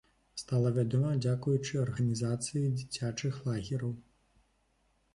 Стала вядома дзякуючы арганізацыі дзіцячых лагераў.